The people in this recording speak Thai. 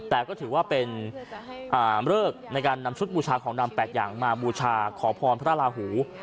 แต่ก็ถือว่าเป็นเลิกในการนำชุดบูชาของดำ๘อย่างมาบูชาขอพรพระลาหู